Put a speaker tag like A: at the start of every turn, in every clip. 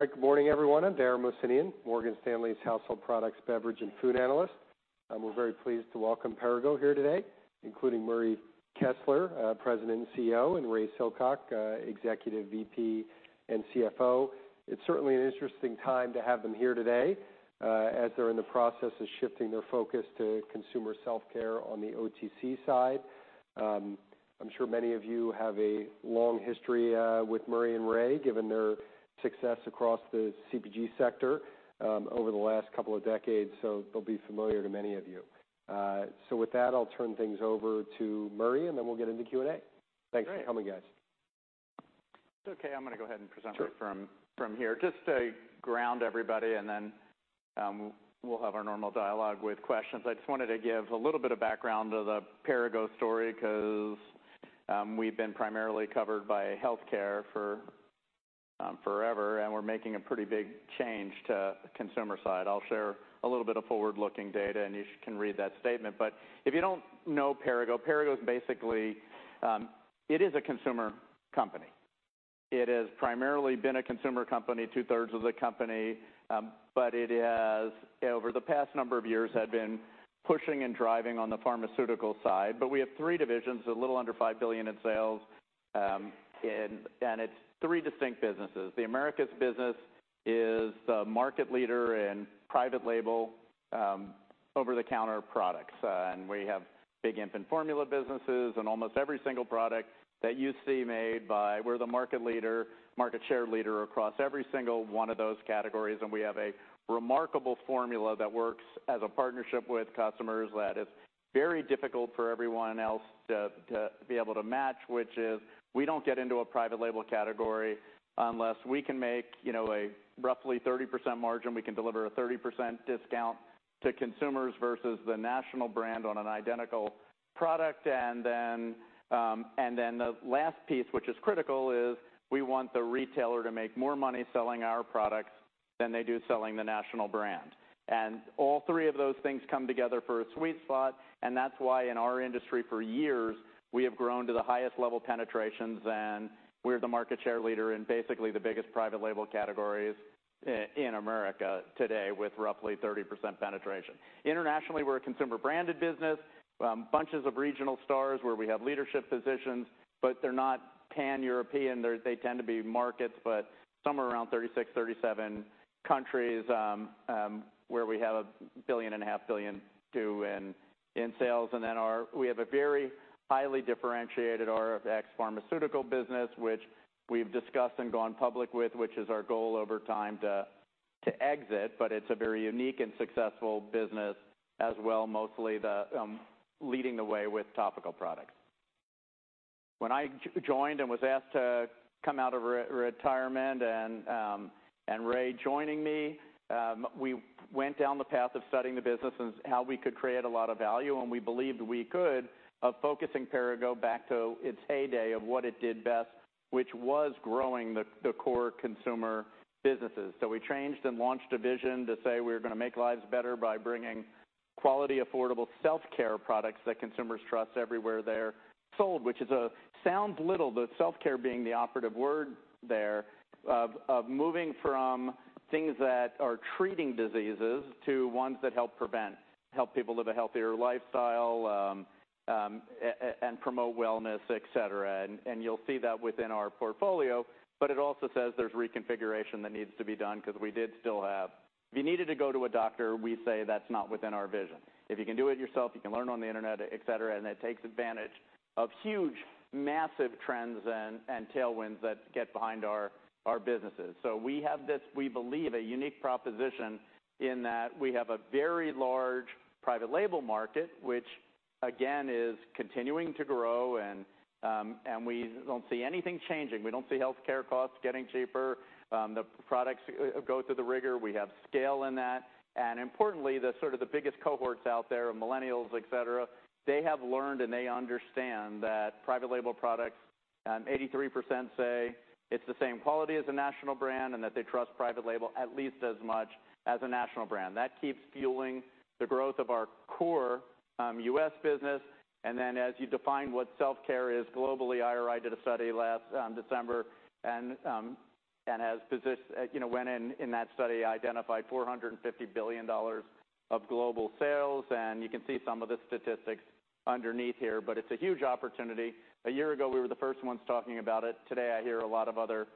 A: Good morning, everyone. I'm Dara Mohsenian, Morgan Stanley's Household Products, Beverage, and Food analyst. We're very pleased to welcome Perrigo here today, including Murray Kessler, President and CEO, and Ray Silcock, Executive VP and CFO. It's certainly an interesting time to have them here today, as they're in the process of shifting their focus to consumer self-care on the OTC side. I'm sure many of you have a long history with Murray and Ray, given their success across the CPG sector over the last couple of decades. They'll be familiar to many of you. With that, I'll turn things over to Murray, and then we'll get into Q&A. Thanks for coming, guys.
B: Great. If it's okay, I'm going to go ahead and.
A: Sure
B: from here. Just to ground everybody, and then we'll have our normal dialogue with questions. I just wanted to give a little bit of background of the Perrigo story because we've been primarily covered by healthcare for forever, and we're making a pretty big change to consumer side. I'll share a little bit of forward-looking data, and you can read that statement. If you don't know Perrigo's basically a consumer company. It has primarily been a consumer company, two-thirds of the company, but it has, over the past number of years, had been pushing and driving on the pharmaceutical side. We have three divisions, a little under $5 billion in sales, and it's three distinct businesses. The Americas Business is the market leader in private label, over-the-counter products. We have big infant formula businesses, almost every single product that you see made by, we're the market leader, market share leader across every single one of those categories, we have a remarkable formula that works as a partnership with customers that is very difficult for everyone else to be able to match, which is we don't get into a private label category unless we can make a roughly 30% margin. We can deliver a 30% discount to consumers versus the national brand on an identical product. The last piece, which is critical, is we want the retailer to make more money selling our products than they do selling the national brand. All three of those things come together for a sweet spot, and that's why in our industry for years, we have grown to the highest level penetrations, and we're the market share leader in basically the biggest private label categories in America today with roughly 30% penetration. Internationally, we're a consumer-branded business. Bunches of regional stores where we have leadership positions, but they're not pan-European. They tend to be markets, but somewhere around 36, 37 countries, where we have a billion and a half dollars, billion two dollars in sales. We have a very highly differentiated Rx pharmaceutical business, which we've discussed and gone public with, which is our goal over time to exit. It's a very unique and successful business as well, mostly leading the way with topical products. When I joined and was asked to come out of retirement and Ray joining me, we went down the path of studying the business and how we could create a lot of value, and we believed we could, of focusing Perrigo back to its heyday of what it did best, which was growing the core consumer businesses. We changed and launched a vision to say we're going to make lives better by bringing quality, affordable self-care products that consumers trust everywhere they're sold, which sounds little, but self-care being the operative word there, of moving from things that are treating diseases to ones that help prevent, help people live a healthier lifestyle, and promote wellness, et cetera. You'll see that within our portfolio, but it also says there's reconfiguration that needs to be done because we did still have, if you needed to go to a doctor, we say that's not within our vision. If you can do it yourself, you can learn on the internet, et cetera, and it takes advantage of huge, massive trends and tailwinds that get behind our businesses. We have this, we believe, a unique proposition in that we have a very large private label market, which again, is continuing to grow and we don't see anything changing. We don't see healthcare costs getting cheaper. The products go through the rigor. We have scale in that. Importantly, the sort of the biggest cohorts out there are millennials, et cetera. They have learned, they understand that private label products, 83% say it's the same quality as a national brand and that they trust private label at least as much as a national brand. That keeps fueling the growth of our core U.S. business. Then as you define what self-care is globally, IRI did a study last December and went in that study, identified $450 billion of global sales, and you can see some of the statistics underneath here, but it's a huge opportunity. A year ago, we were the first ones talking about it. Today, I hear a lot of other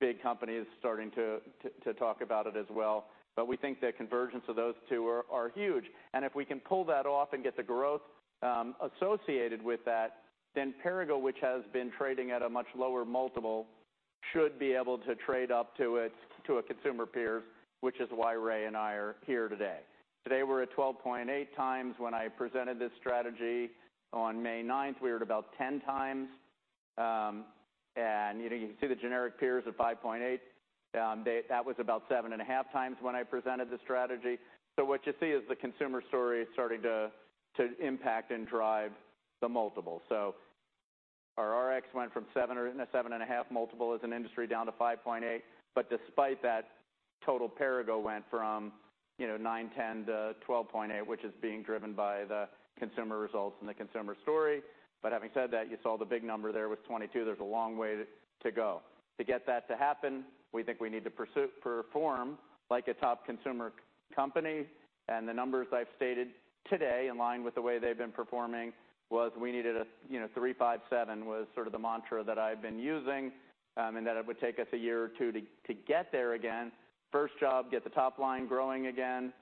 B: big companies starting to talk about it as well. We think the convergence of those two are huge. If we can pull that off and get the growth associated with that, then Perrigo, which has been trading at a much lower multiple, should be able to trade up to a consumer peer, which is why Ray and I are here today. Today, we're at 12.8 times. When I presented this strategy on May 9th, we were at about 10 times. You can see the generic peers at 5.8. That was about seven and a half times when I presented the strategy. Our Rx went from seven and a half multiple as an industry down to 5.8. Despite that, total Perrigo went from 9.10 to 12.8, which is being driven by the consumer results and the consumer story. Having said that, you saw the big number there with 22. There's a long way to go. To get that to happen, we think we need to perform like a top consumer company. The numbers I've stated today, in line with the way they've been performing, was we needed a three-five-seven was sort of the mantra that I've been using, and that it would take us a year or two to get there again. First job, get the top line growing again,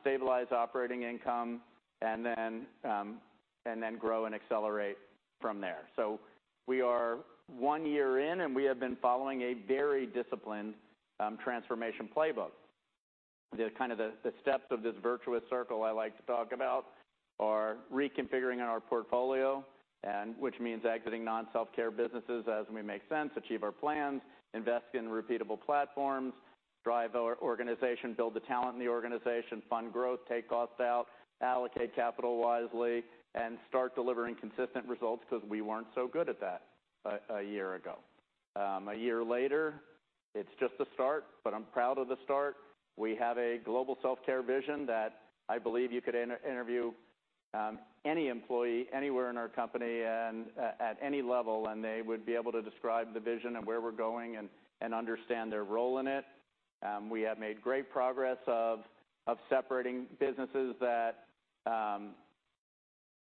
B: stabilize operating income, and then grow and accelerate from there. We are one year in, and we have been following a very disciplined transformation playbook. The kind of the steps of this virtuous circle I like to talk about are reconfiguring our portfolio, which means exiting non-self-care businesses as we make sense, achieve our plans, invest in repeatable platforms, drive our organization, build the talent in the organization, fund growth, take costs out, allocate capital wisely, and start delivering consistent results because we weren't so good at that a year ago. A year later, it's just the start, but I'm proud of the start. We have a global self-care vision that I believe you could interview any employee anywhere in our company and at any level, and they would be able to describe the vision of where we're going and understand their role in it. We have made great progress of separating businesses that,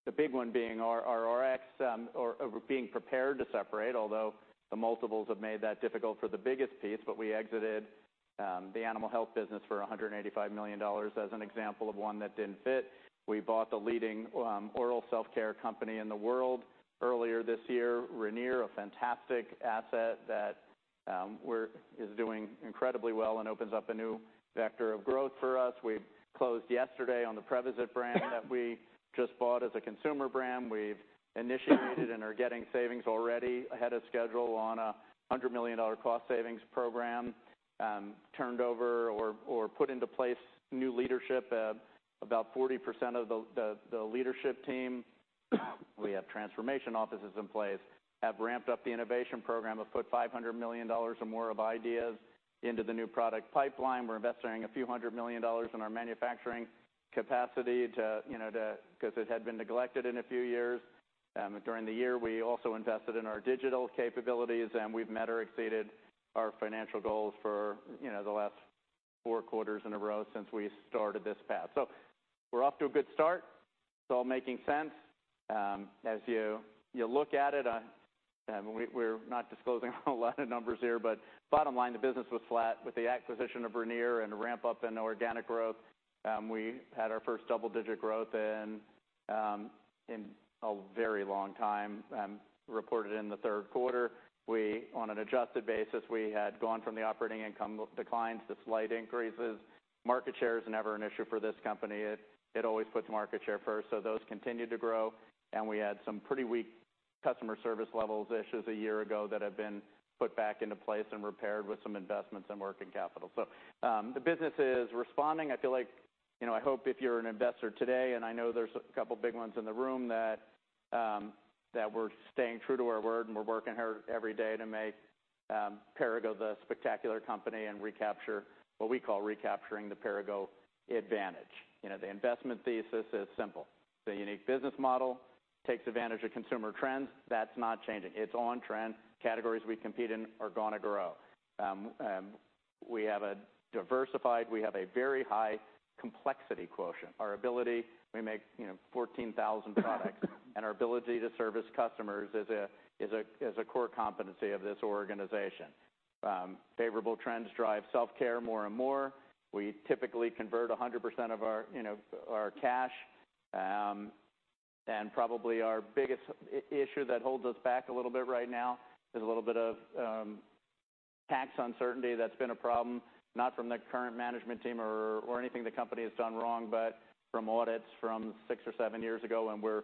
B: the big one being our Rx, or being prepared to separate, although the multiples have made that difficult for the biggest piece. We exited the animal health business for $185 million as an example of one that didn't fit. We bought the leading oral self-care company in the world earlier this year, Ranir, a fantastic asset that is doing incredibly well and opens up a new vector of growth for us. We closed yesterday on the Prevacid brand that we just bought as a consumer brand. We've initiated and are getting savings already ahead of schedule on a $100 million cost savings program, turned over or put into place new leadership, about 40% of the leadership team. We have transformation offices in place, have ramped up the innovation program. We've put $500 million or more of ideas into the new product pipeline. We're investing a few hundred million dollars in our manufacturing capacity because it had been neglected in a few years. During the year, we also invested in our digital capabilities, and we've met or exceeded our financial goals for the last four quarters in a row since we started this path. We're off to a good start. It's all making sense. As you look at it, we're not disclosing a lot of numbers here, but bottom line, the business was flat with the acquisition of Ranir and a ramp-up in organic growth. We had our first double-digit growth in a very long time, reported in the third quarter. On an adjusted basis, we had gone from the operating income declines to slight increases. Market share is never an issue for this company. It always puts market share first, so those continued to grow, and we had some pretty weak customer service levels issues a year ago that have been put back into place and repaired with some investments in working capital. The business is responding. I feel like, I hope if you're an investor today, and I know there's a couple of big ones in the room, that we're staying true to our word and we're working hard every day to make Perrigo the spectacular company and what we call recapturing the Perrigo advantage. The investment thesis is simple. It's a unique business model, takes advantage of consumer trends. That's not changing. It's on trend. Categories we compete in are going to grow. We have a very high complexity quotient. We make 14,000 products, and our ability to service customers is a core competency of this organization. Favorable trends drive self-care more and more. We typically convert 100% of our cash. Probably our biggest issue that holds us back a little bit right now is a little bit of tax uncertainty that's been a problem, not from the current management team or anything the company has done wrong, but from audits from six or seven years ago, and we're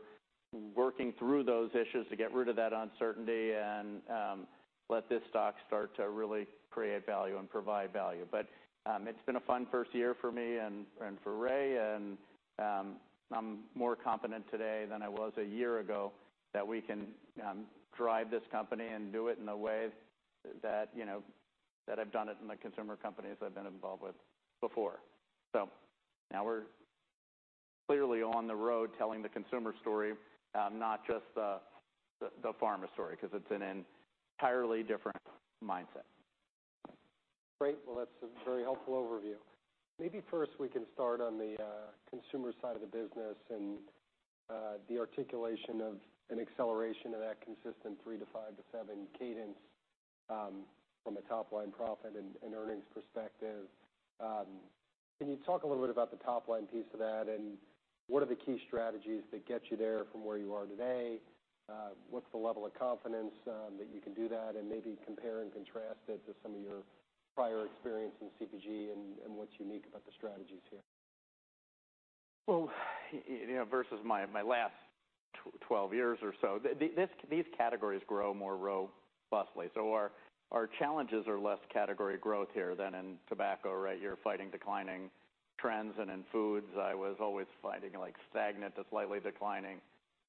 B: working through those issues to get rid of that uncertainty and let this stock start to really create value and provide value. It's been a fun first year for me and for Ray, and I'm more confident today than I was a year ago that we can drive this company and do it in a way that I've done it in the consumer companies I've been involved with before. Now we're clearly on the road telling the consumer story, not just the pharma story, because it's an entirely different mindset.
A: Great. Well, that's a very helpful overview. Maybe first we can start on the consumer side of the business and the articulation of an acceleration of that consistent 3 to 5 to 7 cadence from a top-line profit and earnings perspective. Can you talk a little bit about the top-line piece of that, and what are the key strategies that get you there from where you are today? What's the level of confidence that you can do that? Maybe compare and contrast it to some of your prior experience in CPG and what's unique about the strategies here.
B: Well, versus my last 12 years or so, these categories grow more robustly. Our challenges are less category growth here than in tobacco, right? You're fighting declining trends and in foods, I was always finding stagnant to slightly declining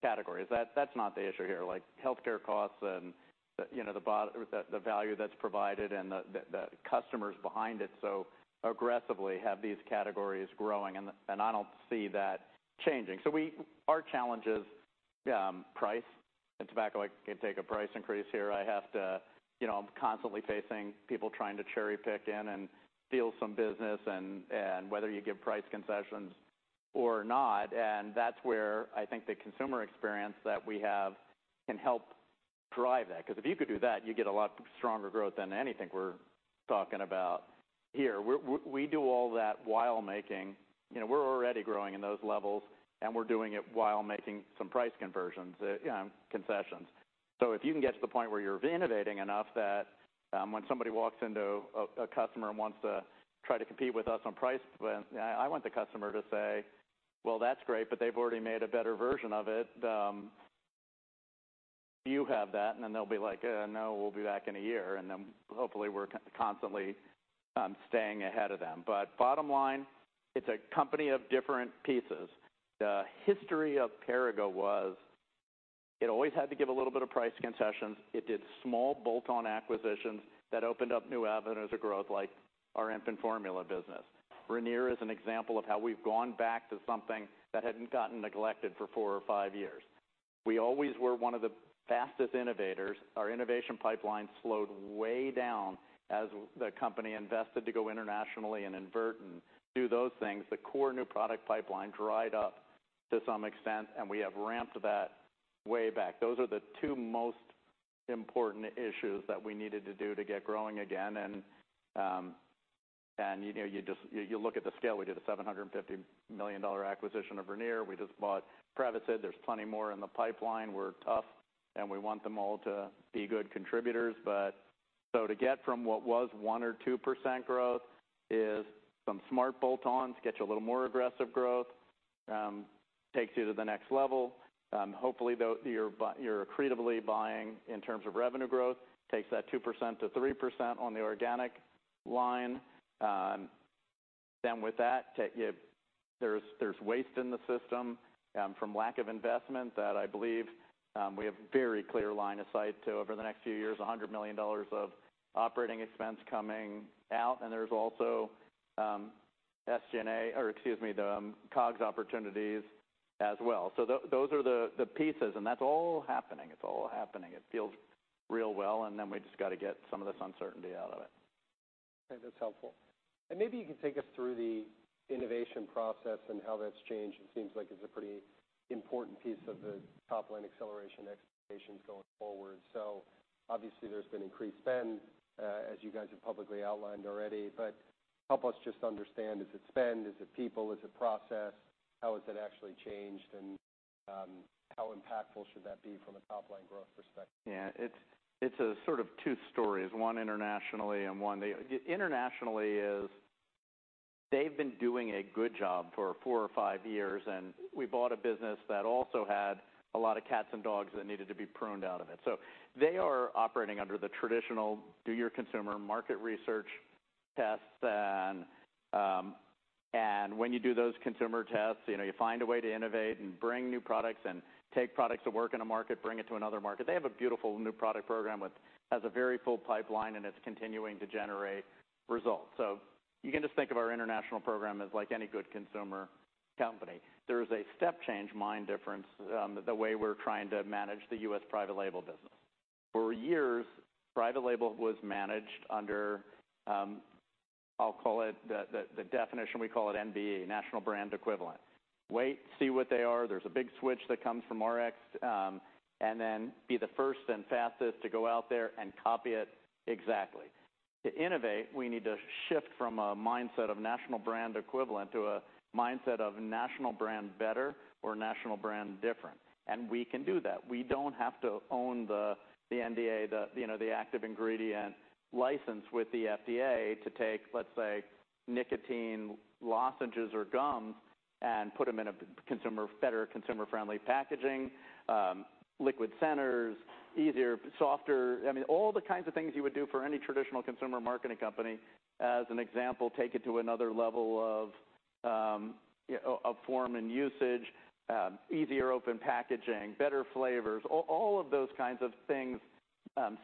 B: categories. That's not the issue here. Like, healthcare costs and the value that's provided and the customers behind it so aggressively have these categories growing, and I don't see that changing. Our challenge is price. In tobacco, I can take a price increase here. I'm constantly facing people trying to cherry-pick in and steal some business, and whether you give price concessions or not, and that's where I think the consumer experience that we have can help drive that. Because if you could do that, you get a lot stronger growth than anything we're talking about here. We're already growing in those levels, and we're doing it while making some price conversions, concessions. If you can get to the point where you're innovating enough that when somebody walks into a customer and wants to try to compete with us on price, I want the customer to say, "Well, that's great, but they've already made a better version of it." You have that. They'll be like, "No, we'll be back in a year." Hopefully we're constantly staying ahead of them. Bottom line, it's a company of different pieces. The history of Perrigo was it always had to give a little bit of price concessions. It did small bolt-on acquisitions that opened up new avenues of growth, like our infant formula business. Ranir is an example of how we've gone back to something that had gotten neglected for four or five years. We always were one of the fastest innovators. Our innovation pipeline slowed way down as the company invested to go internationally and invert and do those things. The core new product pipeline dried up to some extent, and we have ramped that way back. Those are the two most important issues that we needed to do to get growing again. You look at the scale. We did a $750 million acquisition of Ranir. We just bought Prevacid. There's plenty more in the pipeline. We're tough, and we want them all to be good contributors. To get from what was 1% or 2% growth is some smart bolt-ons, get you a little more aggressive growth, takes you to the next level. Hopefully, you're accretively buying in terms of revenue growth, takes that 2%-3% on the organic line. With that, there's waste in the system from lack of investment that I believe we have very clear line of sight to over the next few years, $100 million of operating expense coming out. There's also COGS opportunities as well. Those are the pieces, and that's all happening. It's all happening. It feels real well. We've just got to get some of this uncertainty out of it.
A: Okay, that's helpful. Maybe you can take us through the innovation process and how that's changed. It seems like it's a pretty important piece of the top-line acceleration expectations going forward. Obviously, there's been increased spend, as you guys have publicly outlined already. Help us just understand, is it spend? Is it people? Is it process? How has it actually changed, and how impactful should that be from a top-line growth perspective?
B: Yeah. It's sort of two stories, one internationally and one. Internationally is they've been doing a good job for four or five years, we bought a business that also had a lot of cats and dogs that needed to be pruned out of it. They are operating under the traditional do your consumer market research tests, and when you do those consumer tests, you find a way to innovate and bring new products and take products that work in a market, bring it to another market. They have a beautiful new product program, which has a very full pipeline, and it's continuing to generate results. You can just think of our international program as like any good consumer company. There is a step change mind difference, the way we're trying to manage the U.S. private label business. For years, private label was managed under the definition we call it NBE, national brand equivalent. Wait, see what they are. There's a big switch that comes from Rx, and then be the first and fastest to go out there and copy it exactly. To innovate, we need to shift from a mindset of national brand equivalent to a mindset of national brand better or national brand different, and we can do that. We don't have to own the NDA, the active ingredient license with the FDA to take, let's say, nicotine lozenges or gum and put them in a better consumer-friendly packaging, liquid centers, easier, softer, all the kinds of things you would do for any traditional consumer marketing company. As an example, take it to another level of form and usage, easier open packaging, better flavors, all of those kinds of things,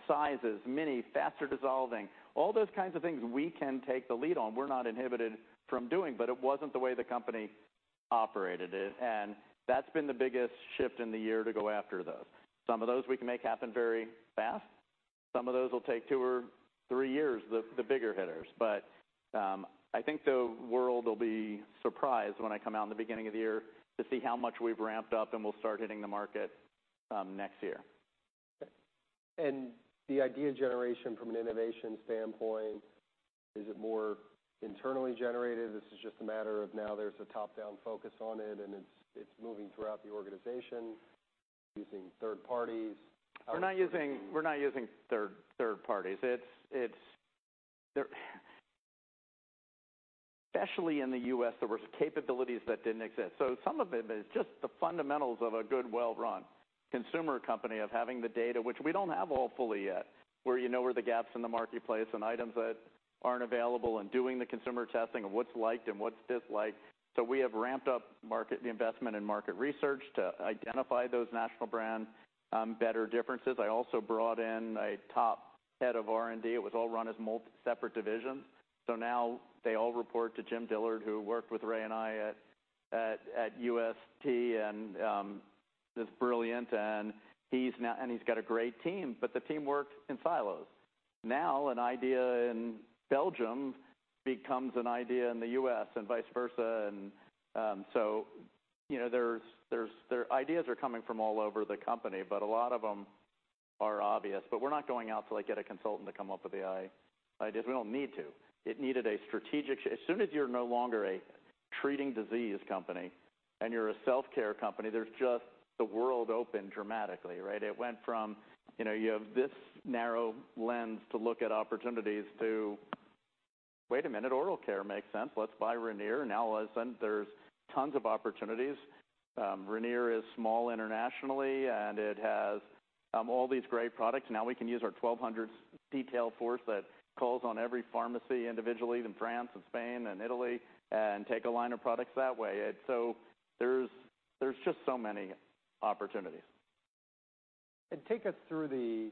B: sizes, mini, faster dissolving, all those kinds of things we can take the lead on. We're not inhibited from doing, but it wasn't the way the company operated. That's been the biggest shift in the year to go after those. Some of those we can make happen very fast. Some of those will take two or three years, the bigger hitters. I think the world will be surprised when I come out in the beginning of the year to see how much we've ramped up, and we'll start hitting the market next year.
A: The idea generation from an innovation standpoint, is it more internally generated? This is just a matter of now there's a top-down focus on it, and it's moving throughout the organization using third parties?
B: We're not using third parties. Especially in the U.S., there were capabilities that didn't exist. Some of it is just the fundamentals of a good, well-run consumer company of having the data, which we don't have all fully yet, where you know where the gaps in the marketplace and items that aren't available and doing the consumer testing of what's liked and what's disliked. We have ramped up the investment in market research to identify those national brand better differences. I also brought in a top head of R&D. It was all run as separate divisions. Now they all report to Jim Dillard, who worked with Ray and me at UST and is brilliant. He's got a great team, but the team worked in silos. Now, an idea in Belgium becomes an idea in the U.S. and vice versa. Their ideas are coming from all over the company, but a lot of them are obvious. We're not going out to get a consultant to come up with the ideas. We don't need to. It needed a strategic shift. As soon as you're no longer a treating disease company and you're a self-care company, there's just the world open dramatically, right? It went from, you have this narrow lens to look at opportunities to, "Wait a minute, oral care makes sense. Let's buy Ranir." All of a sudden, there's tons of opportunities. Ranir is small internationally, and it has all these great products. We can use our 1,200 detail force that calls on every pharmacy individually in France and Spain and Italy and take a line of products that way. There's just so many opportunities.
A: Take us through the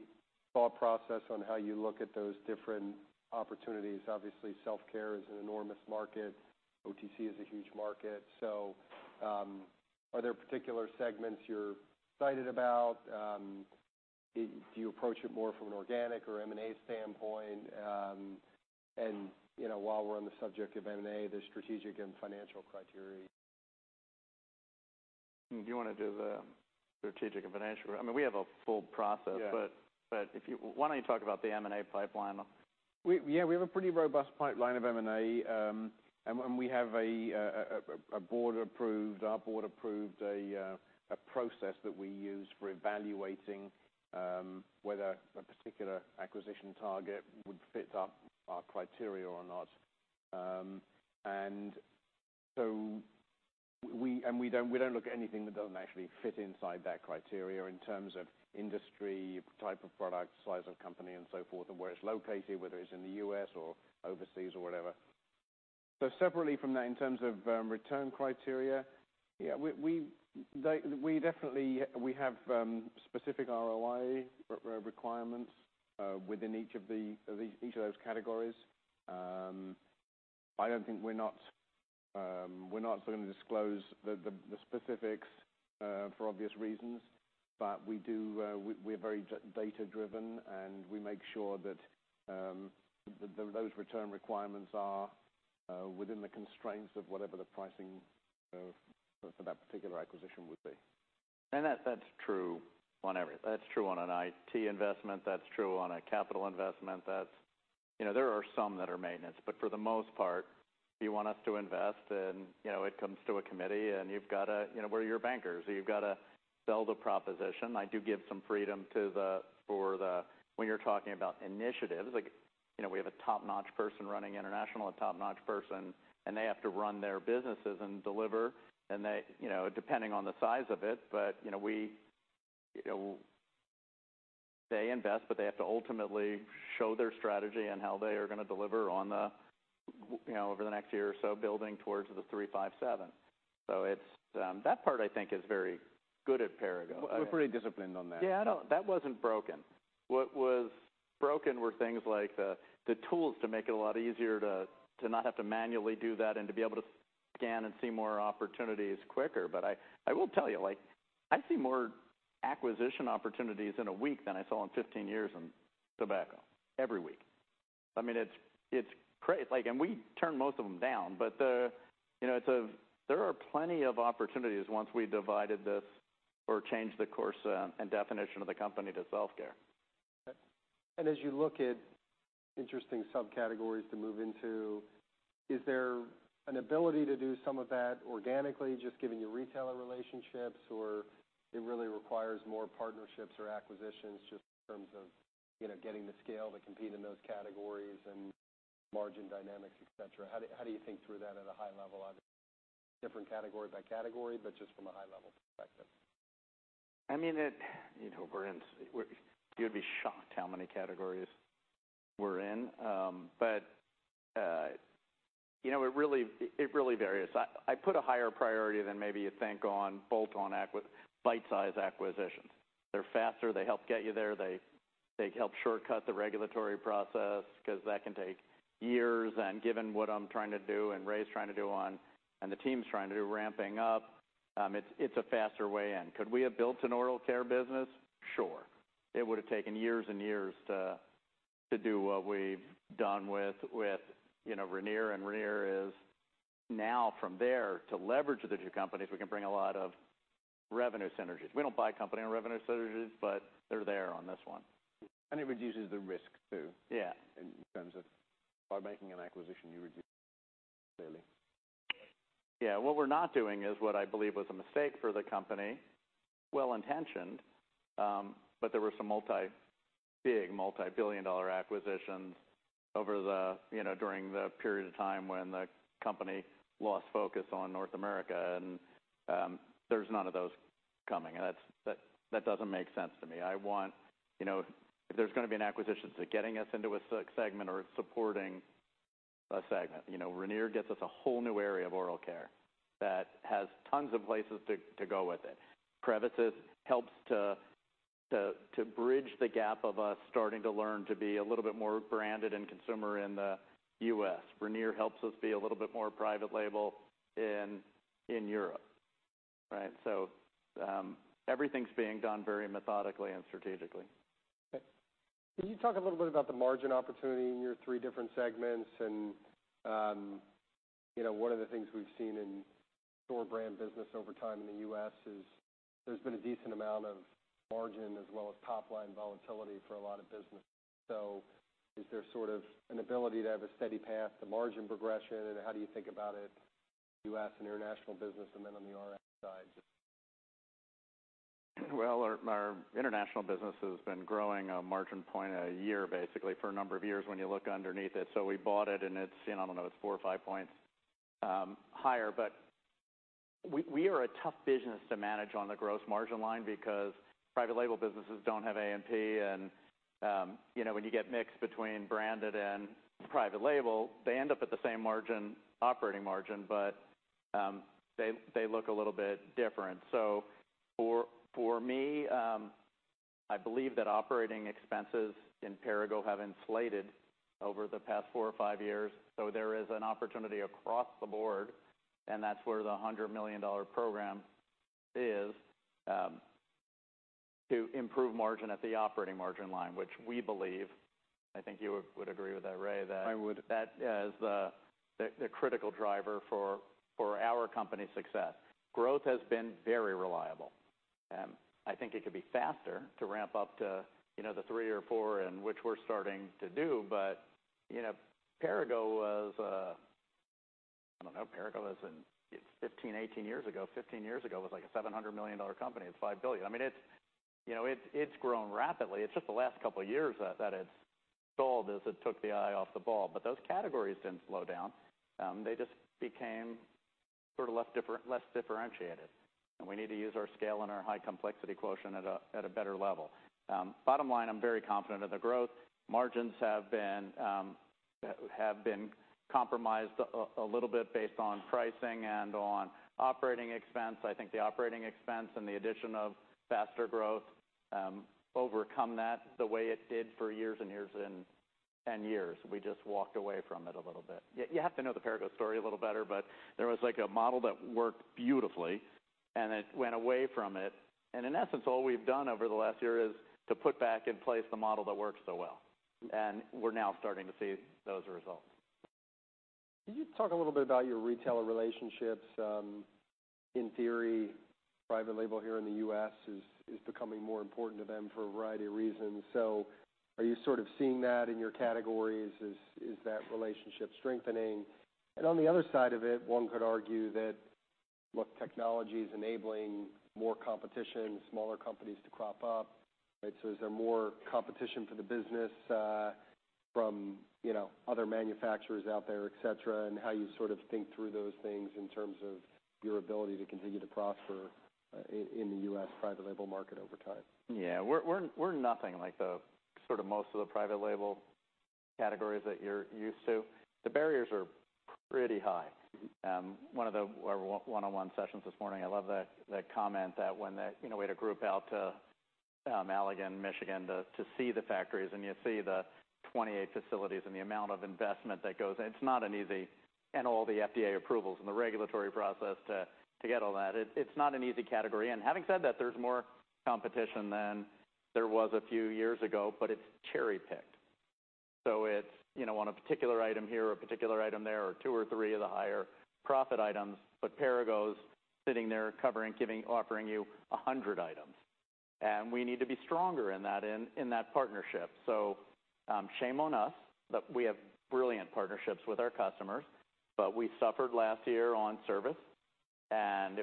A: thought process on how you look at those different opportunities. Obviously, self-care is an enormous market. OTC is a huge market. Are there particular segments you're excited about? Do you approach it more from an organic or M&A standpoint? While we're on the subject of M&A, there's strategic and financial criteria.
B: Do you want to do the strategic and financial? We have a full process.
A: Yeah.
B: Why don't you talk about the M&A pipeline?
C: Yeah, we have a pretty robust pipeline of M&A. Our board approved a process that we use for evaluating whether a particular acquisition target would fit our criteria or not. We don't look at anything that doesn't actually fit inside that criteria in terms of industry, type of product, size of company, and so forth, and where it's located, whether it's in the U.S. or overseas or whatever. Separately from that, in terms of return criteria, yeah, we have specific ROI requirements within each of those categories. We're not going to disclose the specifics for obvious reasons. We're very data-driven, and we make sure that those return requirements are within the constraints of whatever the pricing for that particular acquisition would be.
B: That's true on everything. That's true on an IT investment, that's true on a capital investment. There are some that are maintenance. For the most part, if you want us to invest and it comes to a committee, we're your bankers. You've got to sell the proposition. I do give some freedom when you're talking about initiatives. We have a top-notch person running international, and they have to run their businesses and deliver, depending on the size of it. They invest, they have to ultimately show their strategy and how they are going to deliver over the next year or so, building towards the three, five, seven. That part I think is very good at Perrigo.
C: We're pretty disciplined on that.
B: Yeah, that wasn't broken. What was broken were things like the tools to make it a lot easier to not have to manually do that and to be able to scan and see more opportunities quicker. I will tell you, I see more acquisition opportunities in a week than I saw in 15 years in tobacco, every week. We turn most of them down, but there are plenty of opportunities once we divided this or changed the course and definition of the company to self-care.
A: As you look at interesting subcategories to move into, is there an ability to do some of that organically, just given your retailer relationships? It really requires more partnerships or acquisitions just in terms of getting the scale to compete in those categories and margin dynamics, et cetera? How do you think through that at a high level? Obviously, different category by category, but just from a high-level perspective.
B: You'd be shocked how many categories we're in. It really varies. I put a higher priority than maybe you think on bolt-on, bite-size acquisitions. They're faster. They help get you there. They help shortcut the regulatory process because that can take years, and given what I'm trying to do and Ray's trying to do and the team's trying to do ramping up, it's a faster way in. Could we have built an oral care business? Sure. It would've taken years and years to do what we've done with Ranir, and Ranir is now from there to leverage the two companies, we can bring a lot of revenue synergies. We don't buy a company on revenue synergies, but they're there on this one.
C: It reduces the risk, too.
B: Yeah.
C: In terms of by making an acquisition, you reduce risk, clearly.
B: Yeah. What we're not doing is what I believe was a mistake for the company, well-intentioned, but there were some big multi-billion-dollar acquisitions during the period of time when the company lost focus on North America, and there's none of those coming, and that doesn't make sense to me. If there's going to be an acquisition, it's getting us into a segment or it's supporting a segment. Ranir gets us a whole new area of oral care that has tons of places to go with it. Prevacid helps to bridge the gap of us starting to learn to be a little bit more branded and consumer in the U.S. Ranir helps us be a little bit more private label in Europe, right? Everything's being done very methodically and strategically.
A: Okay. Can you talk a little bit about the margin opportunity in your three different segments? One of the things we've seen in store brand business over time in the U.S. is there's been a decent amount of margin as well as top-line volatility for a lot of businesses. Is there sort of an ability to have a steady path to margin progression, and how do you think about it, U.S. and international business, and then on the Rx side?
B: Well, our international business has been growing a margin point a year, basically for a number of years when you look underneath it. We bought it, and it's, I don't know, it's four or five points higher. We are a tough business to manage on the gross margin line because private label businesses don't have A&P, and when you get mixed between branded and private label, they end up at the same operating margin, but they look a little bit different. For me, I believe that operating expenses in Perrigo have inflated over the past four or five years. There is an opportunity across the board, and that's where the $100 million program is, to improve margin at the operating margin line, which we believe, I think you would agree with that, Ray.
C: I would that is the critical driver for our company's success. Growth has been very reliable. I think it could be faster to ramp up to the three or four, and which we're starting to do. Perrigo was, I don't know, 15, 18 years ago. 15 years ago, it was like a $700 million company. It's $5 billion. It's grown rapidly. It's just the last couple of years that it stalled as it took the eye off the ball. Those categories didn't slow down. They just became sort of less differentiated, and we need to use our scale and our high complexity quotient at a better level. Bottom line, I'm very confident of the growth. Margins have been compromised a little bit based on pricing and on operating expense.
B: I think the operating expense and the addition of faster growth overcome that the way it did for years and years and years. We just walked away from it a little bit. You have to know the Perrigo story a little better. There was a model that worked beautifully, and it went away from it, and in essence, all we've done over the last year is to put back in place the model that worked so well, and we're now starting to see those results.
A: Can you talk a little bit about your retailer relationships? In theory, private label here in the U.S. is becoming more important to them for a variety of reasons. Are you sort of seeing that in your categories? Is that relationship strengthening? On the other side of it, one could argue that, look, technology's enabling more competition, smaller companies to crop up. Is there more competition for the business from other manufacturers out there, et cetera, and how you sort of think through those things in terms of your ability to continue to prosper in the U.S. private label market over time?
B: Yeah. We're nothing like the sort of most of the private label categories that you're used to. The barriers are pretty high. One of the one-on-one sessions this morning, I love the comment that when we had a group out to Allegan, Michigan, to see the factories, and you see the 28 facilities and the amount of investment that goes in, and all the FDA approvals and the regulatory process to get all that, it's not an easy category. Having said that, there's more competition than there was a few years ago, but it's cherry-picked. It's on a particular item here or a particular item there, or two or three of the higher profit items, but Perrigo's sitting there covering, offering you 100 items, and we need to be stronger in that partnership. Shame on us, but we have brilliant partnerships with our customers, but we suffered last year on service.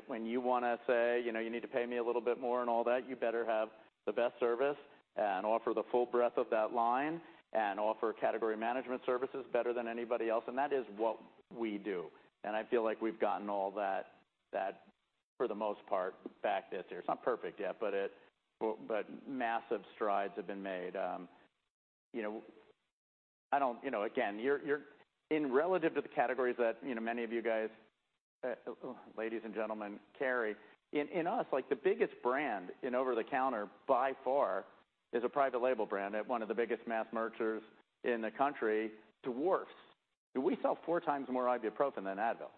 B: When you want to say, "You need to pay me a little bit more" and all that, you better have the best service and offer the full breadth of that line and offer category management services better than anybody else, and that is what we do, and I feel like we've gotten all that for the most part back this year. It's not perfect yet, but massive strides have been made. Again, in relative to the categories that many of you guys, ladies and gentlemen, carry, in us, the biggest brand in over-the-counter by far is a private label brand at one of the biggest mass merchandisers in the country, to worse. We sell 4 times more ibuprofen than Advil.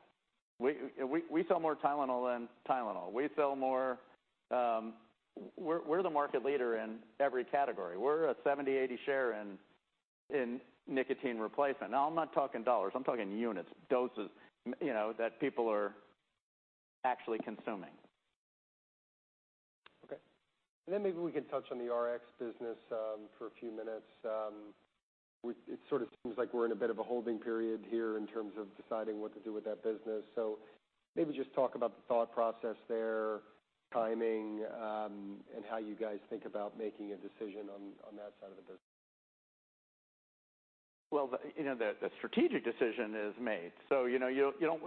B: We sell more Tylenol than Tylenol. We're the market leader in every category. We're a 70%-80% share in nicotine replacement. Now, I'm not talking dollars, I'm talking units, doses that people are actually consuming.
A: Okay. Maybe we can touch on the Rx business for a few minutes. It sort of seems like we're in a bit of a holding period here in terms of deciding what to do with that business. Maybe just talk about the thought process there, timing, and how you guys think about making a decision on that side of the business.
B: The strategic decision is made. You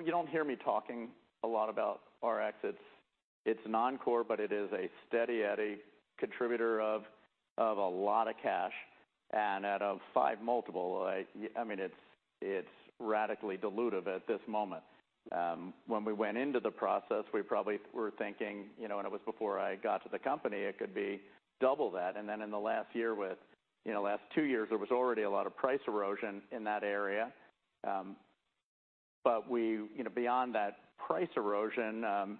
B: don't hear me talking a lot about Rx. It's non-core, but it is a steady Eddie contributor of a lot of cash and at a 5 multiple. It's radically dilutive at this moment. When we went into the process, we probably were thinking, and it was before I got to the company, it could be double that. In the last 2 years, there was already a lot of price erosion in that area. Beyond that price erosion, you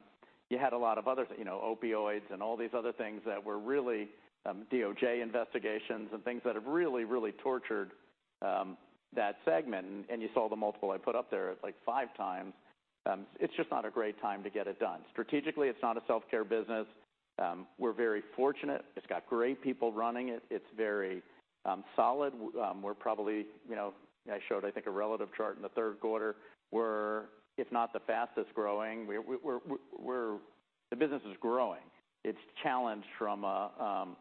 B: had a lot of other things, opioids and all these other things, DOJ investigations, and things that have really, really tortured that segment. You saw the multiple I put up there, it's like 5 times. It's just not a great time to get it done. Strategically, it's not a self-care business. We're very fortunate. It's got great people running it. It's very solid. I showed, I think, a relative chart in the third quarter. We're, if not the fastest-growing, the business is growing. It's challenged from an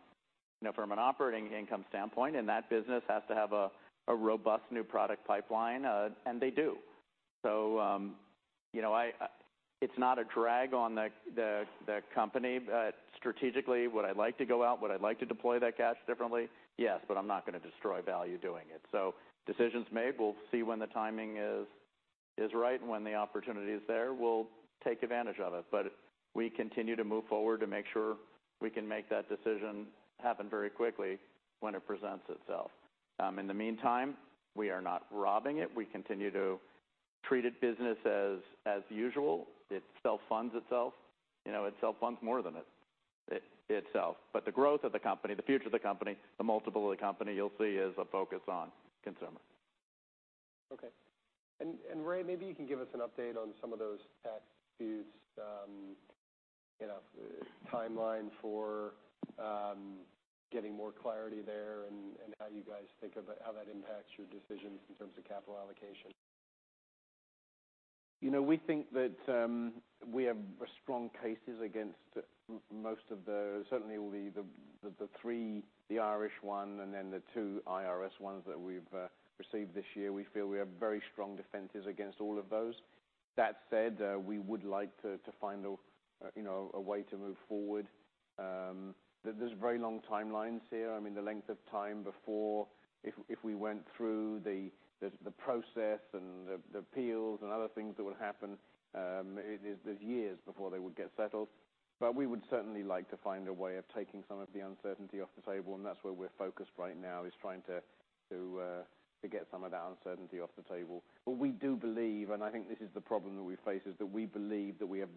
B: operating income standpoint. That business has to have a robust new product pipeline. They do. It's not a drag on the company. Strategically, would I like to go out? Would I like to deploy that cash differently? Yes, but I'm not going to destroy value doing it. Decision's made. We'll see when the timing is right and when the opportunity is there. We'll take advantage of it. We continue to move forward to make sure we can make that decision happen very quickly when it presents itself. In the meantime, we are not robbing it. We continue to treat it business as usual. It self-funds itself. It self-funds more than itself. The growth of the company, the future of the company, the multiple of the company you'll see is a focus on consumer.
A: Okay. Ray, maybe you can give us an update on some of those tax disputes, timeline for getting more clarity there and how you guys think of how that impacts your decisions in terms of capital allocation.
C: We think that we have strong cases against most of those. Certainly the three, the Irish one, and then the two IRS ones that we've received this year. We feel we have very strong defenses against all of those. That said, we would like to find a way to move forward. There's very long timelines here. The length of time before, if we went through the process and the appeals and other things that would happen, there's years before they would get settled. We would certainly like to find a way of taking some of the uncertainty off the table, and that's where we're focused right now, is trying to get some of that uncertainty off the table. We do believe, and I think this is the problem that we face, is that we believe that we have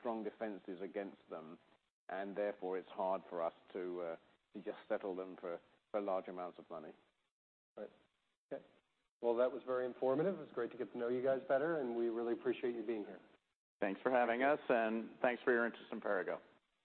C: strong defenses against them, and therefore it's hard for us to just settle them for large amounts of money.
A: Right. Okay. Well, that was very informative. It was great to get to know you guys better, and we really appreciate you being here.
B: Thanks for having us, and thanks for your interest in Perrigo.